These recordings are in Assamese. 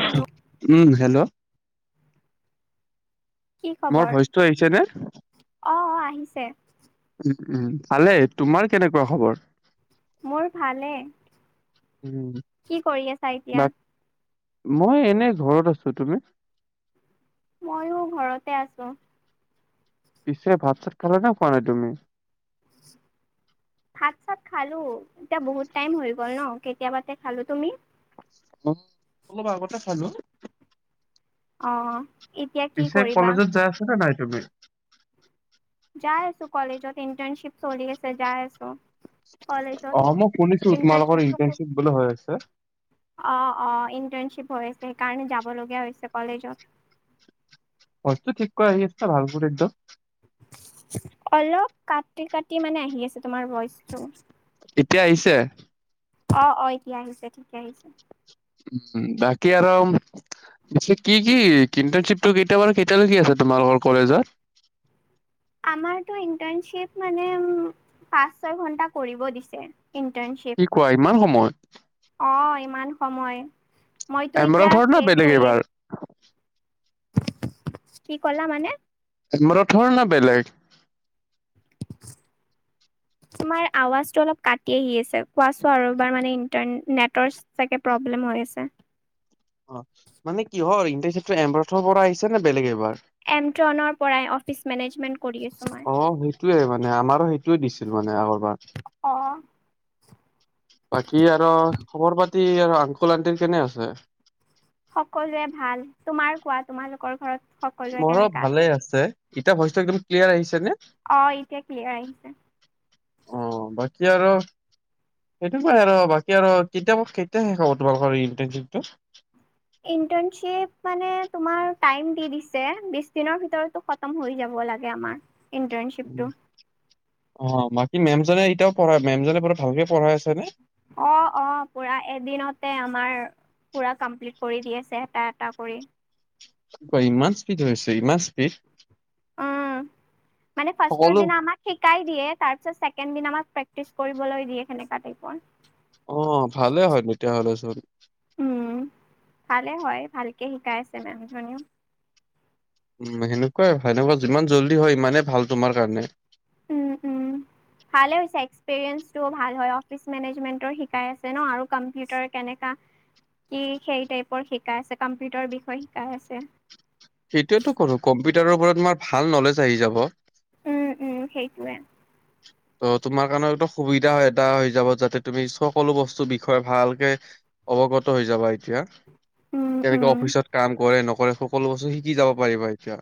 Hello um hello. কি মোৰ খবৰ? ভইচটো আহিছে নে? অ অ আহিছে। উ ভালে। তোমাৰ কেনেকুৱা খবৰ? মোৰ ভালে। উম, কি কৰি আছা বা এতিয়া? মই এনে ঘৰত আছো। তুমি? মইয়ো ঘৰতে আছো। পিছে ভাত চাত খেলা নে খোৱা নাই তুমি? ভাত চাত খালো এতিয়া বহুত টাইম হৈ গ'ল ন। কেতিয়াবাতে খালো। তুমি? অ অলপ আগতে খালো। অ। এতিয়া কি পিছে কৰিবা? কলেজত যাই আছ নে নাই তুমি? যাই আছো কলেজত ইণ্টাৰ্নশ্বিপ চলি আছে যাই আছো। কলেজ ত অ', মই শুনিছো তোমালোকৰ ইন্টাৰ্ণশিবটো খু ইন্টাৰ্ণশ্বিপ বোলে হৈ আছে। অ অ। ইণ্টাৰ্ণশ্বিপ হৈ আছে সেইকাৰণে যাবলগীয়া হৈছে কলেজত। অস্তো ঠিক কৰা আহি আছে ন ভাল পদেক দ। অলপ কাটি কাটি মানে আহি আছে তোমাৰ ভইচটো। এতিয়া আহিছে। অ অ এতিয়া আহিছে ঠিকে আহিছে। উ বাকী আৰম পিঠিত কি কি ইণ্টাৰ্ণশ্বিপটো কেতিয়াৰ পৰা কেতিয়ালৈ আছে তোমালোকৰ কলেজত। [inaudible] আমাৰ টো ইন্টাৰ্ণশ্বিটো মানে পাঁচ ছয় ঘন্টা কৰিব দিছে। কি কোৱা ইমান সময়? ইষ্টাৰ্ণশ্বিপ অ ইমান সময়। মইতো এতিয়া এমৰথৰ না সে বেলেগ কৰি এইবাৰ? আছ- কি কলা মানে? তোম ৰ থ না বেলেগ। তোমাৰ আৱাজটো অকন মান কাটি আহি আছে। কোৱাচোন আৰু এবাৰ মানে ইন্টাৰ নেটৰ চাগে প্ৰব্- লেম হৈ আছে। অ মানে কিহৰ ইন্টাৰ্ণশিবটো এমব্ৰথৰ পৰা আহিছে নে বেলেগ এবাৰ? এমন্টৰ পৰাই অফিচ মেনেজমেন্ট। কৰি আছো মই অ সেইটোয়ে মানে আমাৰো সেইটোয়ে দিছিল মানে আগৰ। অ' বাকী আৰু খবৰ পাত- টি আৰু আংকুল আন্তিৰ কেনে আছে? সকলোৱে ভাল। তোমাৰ কোৱা তোমালোকৰ ঘৰত? সকলোৱে মোৰ কেনেকা ভালে আছে। ইতিয়া ভইচটো একদম ক্লিয়াৰ আহিছে নে? অ এতিয়া ক্লিয়াৰ আহিছে। অ বাকী আৰু সেইটো পাৰে আৰ বাকী আৰ কেতিব কেতিয়া শেষ হব তোমালোকৰ ইন্টাৰ্ণশ্বিপটো? ইন্টাৰ্ণশ্বিপ মানে তোমাৰ টাইম দি দিছে বিছ দিনৰ ভিতৰতটো খতম হৈ যাব। লাগে আমাৰ। ইণ্টাৰ্ণশ্বিপটো অ বাকী মেমজনে এতিয়াও পঢ়াই মেমজনে পোৰা ভালকে পঢ়াই আছে নে? অ অ পুৰা এদিনতে আমাৰ পুৰা কমপ্লিট কৰি দি আছে এটা এটা কৰি। কোৱা ইমান স্পীড হৈছে ইমান স্পীড? উম মানে ফাষ্টৰ সকলো দিনা আমাক শিকাই দিয়ে তাৰপিছত ছেকেণ্ড দিনা আমাক প্ৰেক্টিচ কৰিবলৈ দিয়ে সেনেকা তাইপৰ। অহ ভালে হয় তেতিয়া হ'লেচোন। উম ভালে হয় ভালকে শিকাই আছে মেমজনীও। উম সেনেকুৱাই সেনেকুৱা যিমান জল্দি হয় ইমানেই ভাল তোমাৰ কাৰণে। উম উম। ভালেই হৈছে এক্সপ্ৰিয়েঞ্চটো ভাল হয় অফিচ মেনেজমেন্টৰ শিকাই আছে ন আৰু কম্পিউটাৰ কেনেকা কি সেই টাইপৰ শিকাই আছে কম্পিউটাৰ বিষয়ে শিকাই আছে। সেইটোয়েতো কৰো কম্পিউটাৰৰ ওপৰত তোমাৰ ভাল নলেজ আহি যাব। উম উম সেইটোৱে। ত তোমাৰ কাৰণেটো সুবিধা হয় এটা হৈ যাব যাতে তুমি সকলো বস্তুৰ বিষয়ে ভালকে অৱগত হৈ যাবা এ- তিয়া উম উম কেনেকে অফিচত কাম কৰে নকৰে সকলো বস্তু শিকি যাব পাৰিবা এতিয়া।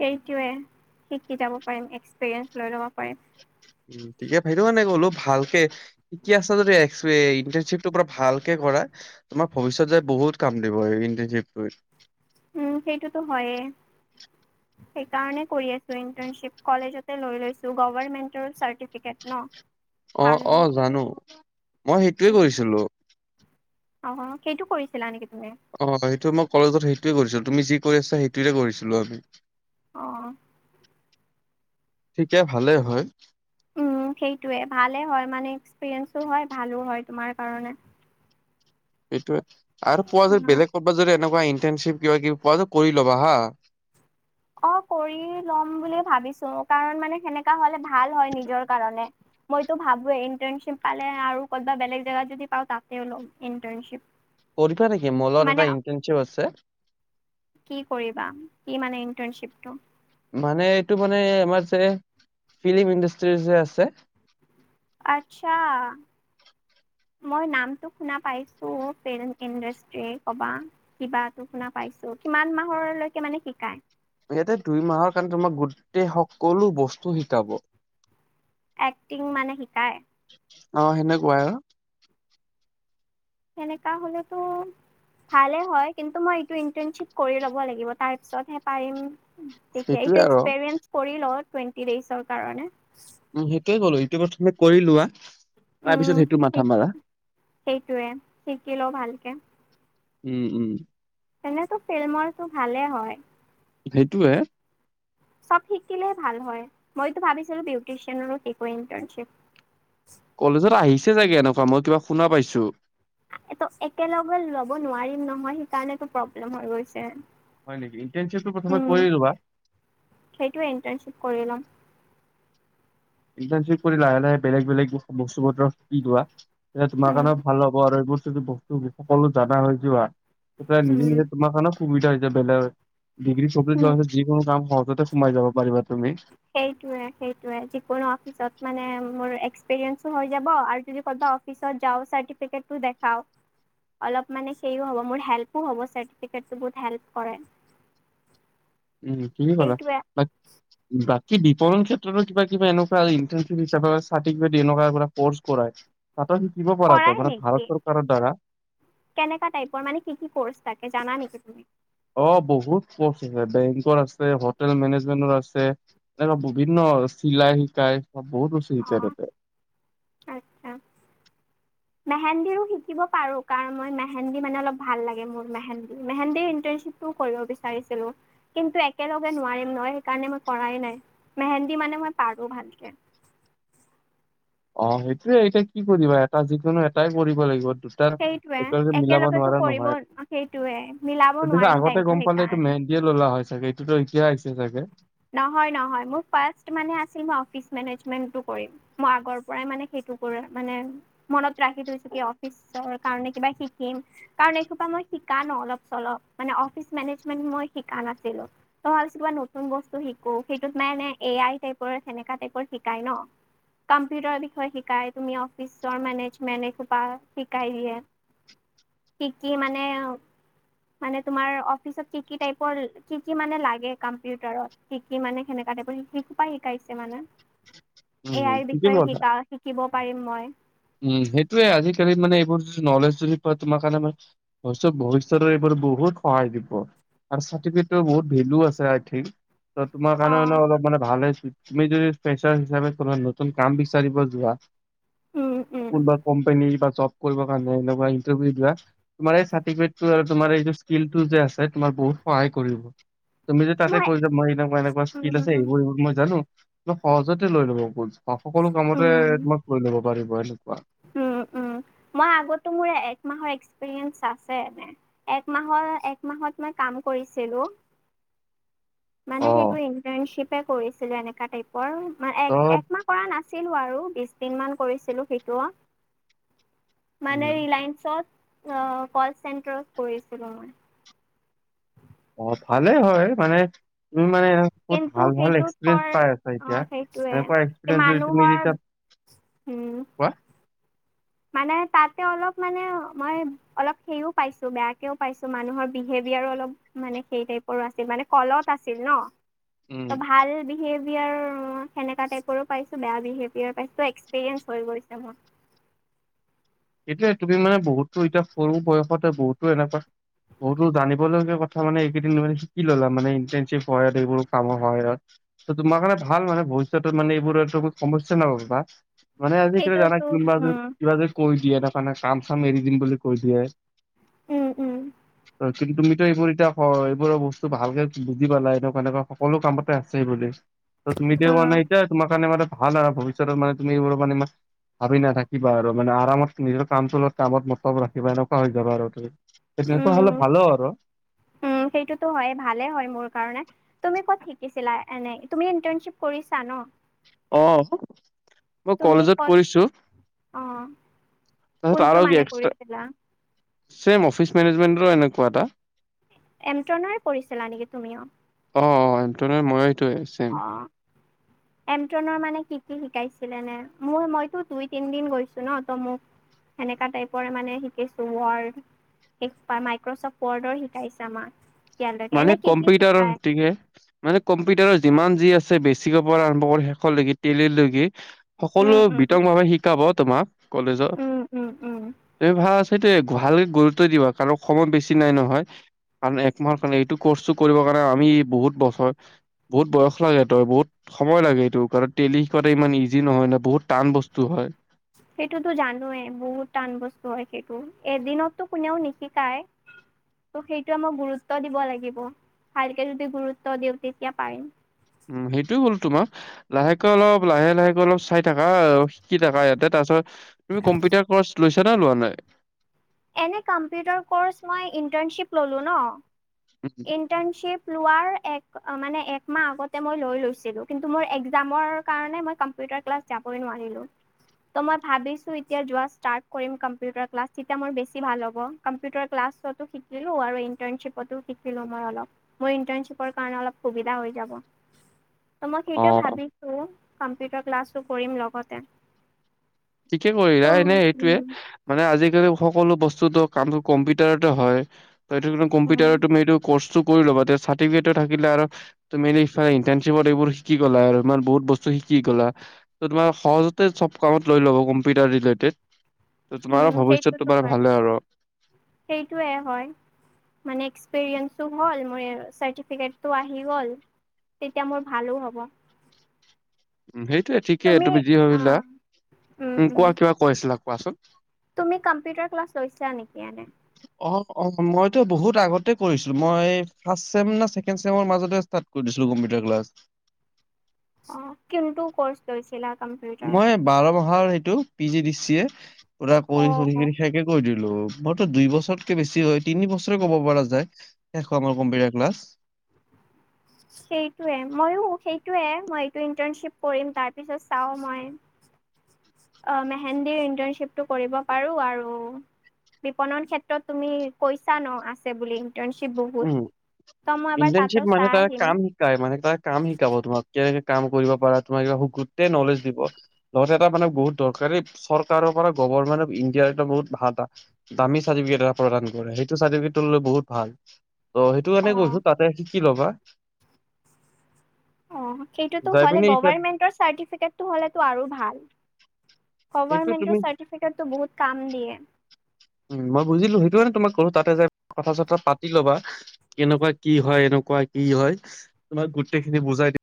সেইটোৱে শিকি যাব পাৰিম এক্সপিৰিয়েঞ্চ লৈ ল'ব পাৰিম। উ ঠিকেই সেইটো কাৰণে ক'লো ভালকে শিকি আছা যদি ইন্টাৰ্ণশ্বিপটো পৰা ভালকে কৰ- কৰা তোমাৰ ভৱিষ্যত যে বহুত কাম দিব এই ইন্টাৰশ্বিপটোৱে। উম সেইটোতো হয়েই। সেইকাৰণে কৰি আছো ইন্টাৰ্ণশ্বিপ কলেজতে লৈ লৈছো গভমেন্টৰ চাৰ্টিফিকেট ন। অ ভাল অ হ'ব। জানো মই সেইটোৱে কৰিছিলো। অ সেইটো কৰিছিলা নেকি? তুমি অ সেইটো মই কলেজত সেইটোৱে কৰিছিলো তুমি যি কৰি আছা সেইটোৰে কৰিছিলো আমি। অ। ঠিকে ভালে হয়। উম সেইটোৱে ভালে হয় মানে এক্সপিৰিয়েঞ্চো হয় ভালো হয় তোমাৰ কাৰণে। সেইটোয়ে আৰু পোৱা যায় অ বেলেগ ক'ৰবাত যদি এনেক- ইন্টাৰ্নশ্বিপ কিবা কিবি পোৱা ত কৰি ল'বা হা। অ কৰি লম বুলি ভাবিছো কাৰণ মানে সেনেকা হলে ভাল হয় নিজৰ কাৰণে। মইটো ভাবো এ ইন্টাৰ্ণশ্বিপ পালে আৰু কৰোঁবা বেলেগ জেগাত যদি পাও ততেও লম ইন্টাৰ্ণশ্বিপ। কৰিবা নেকি মোৰ লগত মানে এটা ইন্টাৰ্ণশ্বিপ আছে কি কৰিবা কি মানে? ইন্টাৰ্ণশ্বিপটো। মানে এইটো মানে আমাৰ যে ফিল্ম ইণ্ডাষ্ট্ৰি যে আছে। আচ্ছা। মই নামটো শুনা পাইছো পেৰেন ইডিষ্ট্ৰি কবা কিবাটো শুনা পাইছো। কিমান মাহলৈকে মানে শিকায়। ইয়াতে দুই মাহৰ কাৰণে তোমাক গোটেই সকলো বস্তু শিকাব। এক্টিং মানে শিকায়। অ সেনেকুৱাই অ এনেকা হলেতো ভালে হয় কিন্তু মই এটো ইন্টাৰ্ণশ্বিপ কৰি লব লাগিব তাৰ পিছত হে পাৰিম। সেইটোয়ে এইটো আৰু এক্সপৰিয়েঞ্চ কৰি লও টুৱেন্টিডেজৰ কাৰণে। উ সেইটোয়ে ক'লো ইটো প্ৰথমে কৰি লোৱা। তাৰ পিছত উম সেইটো মাথা মাৰা। সেইটোৱে শিকি লওঁ ভালকে উম উম। এনেতো ফেলমৰটো ভালে হয়। সেইটোয়ে চব শিকিলেই ভাল হয় মইতো ভাবিছিলোঁ বিউটিচিয়ানৰো শিকো ইণ্টাৰ্ণশ্বিপ। কলেজত আহিছে চাগে এনেকুৱা মই কিবা শুনা পাইছোঁ। এত একেলগে লব নোৱাৰিম নহয় সেইকাৰণটো প্ৰব্লেম হৈ গৈছে। হয় নেকি ইণ্টাৰ্ণশ্বিপটো প্ৰথমে উম কৰি লোৱা সেইটোৱে ইন্টাৰ্নশিপ কৰি লম। ইণ্টাৰ্ণশ্বিপ কৰি লাহে লাহে বেলেগ বেলেগ বস্তু বোৰ শিকি লোৱা। এতিয়া তোমাৰ উম কাৰণেও ভাল হ'ব আৰু এইবোৰ যদি বস্তু সকলো জানা হৈ যোৱা নিজে উম নিজে তোমাৰ কাৰণও সুবিধা হৈ যায় বেলেগ ডিগ্ৰী কমপ্লিট হোৱা উম হ'লে যিকোনো কাম সক- জতে সোমাই যাব পাৰিবা তুমি। সেইটোৱে সেইটোৱে যিকোনো অফিচত মানে মোৰ এস্কপিৰিয়েন্স হৈ যাব আৰু তুমি ক'ত বা অফিচত যাও চাৰ্টিফিকেটো দেখাও অলপ সেয়ো হব মোৰ হেল্প হ'ব চাৰ্টিফিকেটো বহুত হেলপ কৰে। উম কি কি কলা সেইটোৱে বা বা কি বিপণন ক্ষেত্ৰতো কিবা কিবা এনেকুৱা ইন্টাৰ্ণশ্বিপ হিচাপে চাৰ্টিফিকেট এনেকুৱা কৰ্চ কৰায়। শিকিব পৰাটো কৰাই মানে ভাৰত নেকি চৰকাৰৰ দ্বাৰা। কেনেকা টাইপৰ মানে কি কি কৰ্চ থাকে জানা নেকি তুমি। অ বহুত কৰ্চ আছে বেংকৰ আছে হোটেল মেনেজমেন্টৰ আছে। এনেকুৱা বিভিন্ন চিলাই শিকাই। অ বহুত বস্তু অ শিকায় তাতে। মেহেন্দিৰো শিকিব পাৰো কাৰণ মই মেহেন্দী মানে অলপ ভাল লাগে মোৰ মেহেন্দী মেহেন্দিৰ ইন্ট- শ্বিপটো কৰিব বিচাৰিছিলো। কিন্তু একেলগে নোৱাৰিম নহয় সেইকাৰণে মই কৰাই নাই, মেহেন্দী মানে মই পাৰো ভালকে। অ সেইটোয়ে এতিয়া কি কৰিবা এটা যিকোনো এটাই কৰিব লাগিব। দুটাৰ সেইটোৱে একেলগে মিলাব একেলগেতো নোৱাৰা কৰিব নহয় সেইটোৱে মিলাব তাৰপিছত নোৱাৰিম আগতে টাইমটো গম পালে এইটো সেইকাৰণে মেইন দিয়ে ল'লা হয় চাগে এইটোতো এতিয়া আহিছ- নহয় নহয় মোৰ ফাষ্ট মানে আছিল মই অফিচ মেনেজ। মেনটো কৰিম মই আগৰ পৰাই মানে সেইটো কৰাৰ মানে মনত ৰাখি থৈছোঁ কি অফিচৰ কাৰণে কিবা শিকিম কাৰণ এসোপা মই শিকা নো অলপ চলপ মানে অফিচ মেনেজমেন্ট মই শিকা। নাচিছিলোঁ হ'লছ বোৱাই নোব নতুন বস্তু শিকো সেইটোত মানে এ আই টাইপৰ সেনেকা টাইপৰ শিকাই ন। কাম্পিউটাৰ বিষয়ে শিকায় তুমি অফিচৰ মেনেজমেণ্ট এসোপা শিকায় দিয়ে। কি কি মানে মানে তোমাৰ অফিচত কি কি টাইপৰ কি কি মানে লাগে কাম কম্পিউটাৰত শিকি মানে সেনেকা তাইপৰ সেইসোপা শিকাইছে মানে। এ উম আই ঠিকে বিষয়ে কথা শিকা শিকিব পাৰিম মই। উম সেইটোয়ে আজিকালি মানে এইবোৰ য নলেজ যদি পোৱা তোমাৰ কাৰণে মান ভৱিষ্যতৰ এইবোৰ বহুত সহায় দিব আৰু চাৰ্টিফিকেটো বহুত ভেলো আছে আইথিং। ত তোমাৰ অ কাৰণে অলপ মানে ভালে হৈ- তুমি যদি ফ্ৰেচাৰ হিচাপে কৰা নতুন কাম বিচাৰিব যোৱা। উম উম। কোনবা কম্পেনী বা জব কৰিবৰ কাৰণে এনেকুৱা ইণ্টাৰ্ভিও যোৱা তোমাৰ এই চাৰ্টিফিকেটো আৰু তোমাৰ এই স্কিলটো যে আছে তোমাৰ বহুত সহায় কৰিব। তুমি যে তাতে কৈ যা মই এনেকুৱা এনেকুৱা উম স্কিল আছে সেইবোৰ এইবোৰ মই জানো। অলপ সহজতে লৈ ল'ব বুজ সকলো কামতে উম তোমাক লৈ ল'ব পাৰিব এনেক। উম উম মই আগতো মোৰ একমাহৰ এক্স- প্ৰীয়েঞ্চ আছে। একমাহৰ একমাহত মই কাম কৰিছিলো। [inaudible] মানে অ সেইটো ইন্টাৰ্ণশ্বিপে কৰিছিলে এনেকা টাইপৰ ত একমাহ কৰা নাছ- চিলো আৰু বিছ দিন মান কৰিছিলো সেইটো মানে উম ৰিলায়ন্সত কল চেন্টাৰত কৰিছিলো মই। অ ভালে হয় মানে তুমি মানে এ বহুত কিন্তু ভাল ভাল সেইটোত এক্সপিৰিয়েঞ্চ ফৰ পাই আছা অ এতিয়া সেইটোৱে এনেকুৱা এই এক্সিয়েঞ্চ তুমি মানুহৰ যেতিয়া উম। পোৱা মানে তাতে অলপ মানে মই অলপ সেও পাইছো বেয়াকেও পাইছো মানুহৰ বিহেৱ বি আৰ অলপ মানে হেৰি টাইপৰ আছিল মানে কলত আছিল নহ। উম ত ভাল বিহেব বি আৰ সেনেকা টাইপৰো পাইছো বেয়া বিহেভিয়াৰ পাইছো এক্সপেৰিয়েঞ্চ হৈ গৈছে মোৰ। [inaudible] এতিয়া তুমি মানে বহুতো এতিয়া সৰু বয়সতে বহুতো এনেকুৱা বহুতো জানিবলগীয়া কথা মানে এইকেইদিন মানে শিকি ললা মানে ইন্টাৰ্ণশ্বিপ হয় এইবোৰ কামৰ সহায়ত। ত তোমাৰ কাৰণে ভাল মানে ভৱিষ্যতৰ মানে এইবোৰৰ সমস্যা নাপাবা। মানে আজি কালি জানা সেইটোতো কোনোবাই যদি উম কিবা যদি এটা কাৰানে কাম চাম এৰি দিম বুলি কৈ দিয়ে। উম উম। ত' কিন্তু তুমিতো এইবোৰ এতিয়া এইবোৰৰ বস্তু ভালকে বুজি পালা এনেকুৱা এনেকুৱা সকলো কামতে আছেই বুলি। ত তুমি দেঅ উম মানে এতিয়া তোমাৰ কাৰানে মা- ভাল আৰু ভৱিষ্যতৰ মানে তুমি এইবোৰ মানে ইমান ভাবি নাথাকিবা আৰু। মানে আৰামত নিজৰ কাম চলোৱাত কামত মস্তব ৰাখিবা এনেকুৱা হৈ যাব আৰু তুমি। সেনকা হ'লে উম ভাল আৰ। উম সেইটোতো হয় ভালে হয় মোৰ কাৰণে তুমি ক'ত শিকিছিলা? এনে তুমি ইণ্টাৰ্ণশ্বিপ কৰিছা ন? অহ মই তুমি কলেজত ক'ত কৰিছো। অ কোনটো তাৰ আৰু কি মানে কৰিছিলা এক্সট্ৰা অফিচ মেনেজমেন্টৰ এনেকুৱা এটা। এমট্ৰনৰে পৰিছিলা নেকি তুমিও? অ অ এন্ত্ৰণৰ মই এটোৱে চেম। ন্ত্ৰণৰ মানে কি কি শিকাইছিলে নে, মোৰ মইতো দুই তিন দিন গৈছো ন ত মোক সেনেকা টাইপৰ মানে শিকিছো ৱৰ এক্স মাইক্ৰচফ্ট ৱৰ্ডৰ শিকাইছে আমাৰ। মানে কম্পিউটাৰৰ তিকে মানে কম্পিউটাৰৰ যিমান যি আছে বেছিকৈ পৰা আৰম্ভ কৰি শেষলৈকে তেলিলৈকে। সকলো উম উম বিতংভাৱে শিকাব তোমাক কলেজত। উম উম উম তুমি ভাজ সেইটোৱে ভালকে গুৰুত্ব দিবা কাৰ সময় বেছি নাই নহয় কাৰণ এক্স- তোমাৰ কাৰণে এইটো কৰ্চটো কৰিব কাৰণে আমি বহুত বছৰ বহুত বয়স লাগে টো বহুত সময় লাগে। সেইটো কাৰণ তেলি কৰাটো ইমান ইজি নহয় ন বহুত টান বস্তু হয়। সেইটোতো জানোই বহুত টান বস্তু হয় সেইটো এদিনতো কোনেও নিশিকাই। ত সেইটো আমাক গুৰুত্ব দিব লাগিব ভালকে যদি গুৰুত্ব দিওঁ তেতিয়া পাৰিম। উম সেইটো হ'ল তোমাক লাহেকে অলপ লাহে লাহেকে অলপ চাই থাকা শিকি থাকা ইয়াতে তাছত তুমি কম্পিউটাৰ কৰ্চ লৈছা নে লোৱা নাই? এনে কম্পিউটাৰ কৰ্চ মই ইন্টাৰ্ণশ্বিপ ললো উম, নহ ইন্টাৰ্ণশ্বিপ লোৱাৰ এক মানে একমাহ আগতে মই লৈ লৈছিলো কিন্তু মোৰ একজামৰ কাৰণে মই পা কম্পিউটাৰ ক্লাছ যাবই নোৱাৰিলো ত মই ভাবিছো এতিয়া যোৱা ষ্টাৰ্ত কৰিম কম্পিউটাৰ ক্লাছ তেতিয়া মোৰ বেছি ভাল হ'ব। কম্পিউটাৰ ক্লাছতটো শিকিলো আৰু ইন্টাৰনছিপটো শিকিলো মই অলপ। ইণ্টাৰ্ণশ্বিপৰ কাৰণে অলপ সুবিধা হৈ যাব। ত মই সেইটোৱে অ', ভাবিছোঁ কম্পিউটাৰ ক্লাছো কৰিম লগতে। ঠিকে ত' কৰিলা। উম, এনে এইটোৱে মানে আজি-কালি ওখ সকলো বস্তুটো কামতো কম্পিউটাৰতে হয়। [unintelligible] উম, কম্পিউটাৰত তুমি এইটো কৰ্ছটো কৰি লবা তে চাৰ্টিফিকেটটো থাকিলে আৰু তুমি [unintelligible] ইন্টাৰশ্বিপত এইবোৰ শিকি গলা আৰু ইমান বহুত বস্তু শি কি ক'লা? ত তোমাৰ সহজতে চব কামত লৈ ল'ব কম্পিউটাৰ ৰিলেটেত। উম সেইটোতো হয় সেইটোয়ে হয় মানে এক্সপিৰিয়েঞ্চো হ'ল, মোৰ চাৰ্টিফিকেটটো আহি গ'ল। তেতিয়া মোৰ ভালো হ'ব। উ, সেইটোৱে ঠিকেই তুমি যি ভাবিলা। উম, উ, উম, কোৱা কিবা কৈ আছিলা, কোৱাচোন। তুমি কম্পিউটাৰ ক্লাছ লৈছা নেকি? এনে? অ-অ মই টো বহুত আগতে কৰিছিলো। মই ফাচ চেম নে ছেকেণ্ড চেমৰ মাজতে ষ্টাৰ্ট কৰি দিছো কম্পিউটাৰ ক্লাছ। অ কোনতো কৰ্চ লৈছিলা কম্পিউটাৰৰ? মই বাৰ মাহৰ সেইটো P G D C A পুৰা পঢ়ি অ', চৰি কৰি অ'। কৰি শেষে কৰি দিলো। হেল্ল, মইটো দুই বছৰতকে বেছি হয় তিনি বছৰে কব পৰা যায় শেষ হোৱা আমাৰ কম্পিউটাৰ ক্লাছ। [inaudible] সেইটোৱে, মইয়ো সেইটোৱে, মই এই ইন্টানশ্বিপ কৰিম। তাৰ পিছত চাও মই। অ মেহেন্দিৰ ইণ্টানশ্বিপটো কৰিব পাৰো আৰু বিপণন ক্ষেত্ৰত তুমি কৈছা ন আছে বুলি ইন্টানশ্বিপ বহুত। ত' মই এবাৰ ইন্টানশ্বিপ তাতেও মানে চাই তাৰ আহিম। কাম শিকায় মানে তাত কাম শিকাব তোমাক কিবা-কিবি। কাম কৰিব পাৰা তোমাৰ কিবা গোটেই নলেজ দিব। লগতে এটা মানে বহুত দৰকাৰী চৰকাৰৰ পৰা গৰমেন্ট অফ ইণ্ডিয়া এটা বহুত ভাল দামী চাৰ্টিফিকেট এটা প্ৰদান কৰে সেইটো চাৰ্টিফিকেট ত বহুত ভাল অ সেইটো মানে অ', [unintelligible] শিকি ল'বা। অ সেইটোতো যাই হলে পিনে এতিয়া গভাৰমেনটৰ চাৰ্টিফিকেটটো হ'লেটো আৰু ভাল। সেইটো তুমি গভাৰমেণ্টৰ চাৰ্টিফিকেটতটো বহুত কাম দিয়ে। বোলো তাতে যাই কথা-চথা পাতি লবা। কেনেকুৱা কি হয়, এনেকুৱা কি হয়। তোমাৰ গোটেইখিনি বুজাই দি